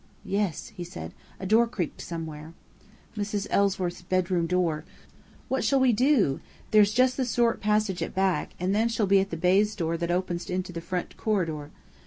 "Yes," he said. "A door creaked somewhere." "Mrs. Ellsworth's bedroom door. What shall we do? There's just the short passage at the back, and then she'll be at the baize door that opens into the front corridor.